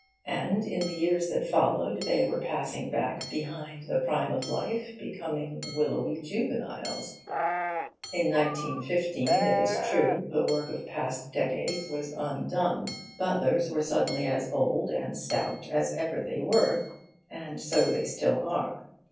And in the years that followed they were passing back behind the prime of life, becoming willowy juveniles. In 1915, it is true, the work of past decades was undone butlers: were suddenly as old and stout as ever they were, and so they still are.